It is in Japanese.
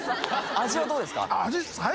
味はどうですか？